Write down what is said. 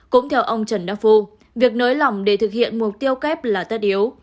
cũng theo ông trần đắc phu việc nới lỏng để thực hiện mục tiêu kép là tất yếu